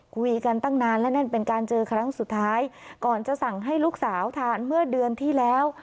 คุยกันตั้งนานและนั่นเป็นการเจอครั้งสุดท้ายก่อนจะสั่งให้ลูกสาวทานเมื่อเดือนที่แล้ว